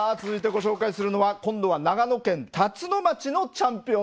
続いてご紹介するのは今度は長野県辰野町のチャンピオンです。